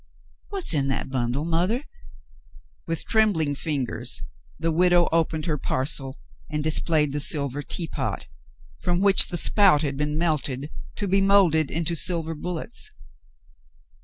What's in that bundle, mothah .f^'* With trembling fingers the widow opened her parcel and displayed the silver teapot, from which the spout had been melted to be moulded into silver bullets.